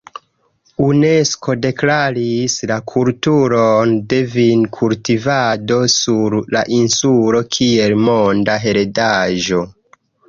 Unesko deklaris la kulturon de vinkultivado sur la insulo kiel monda heredaĵo.